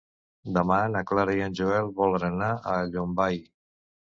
Demà na Clara i en Joel volen anar a Llombai.